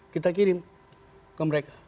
kita kirim ke mereka